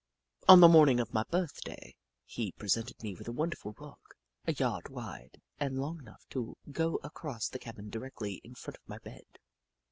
On the morning of my birthday, he pre sented me with a wonderful rug, a yard wide and long enough to go across the cabin directly in front of my bed.